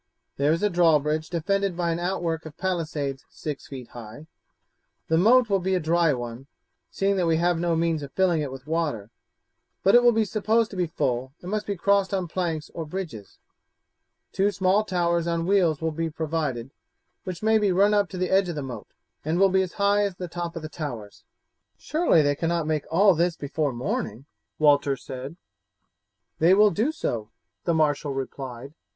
There is a drawbridge defended by an outwork of palisades six feet high. The moat will be a dry one, seeing that we have no means of filling it with water, but it will be supposed to be full, and must be crossed on planks or bridges. Two small towers on wheels will be provided, which may be run up to the edge of the moat, and will be as high as the top of the towers. "Surely they cannot make all this before morning?" Walter said. "They will do so," the marshal replied.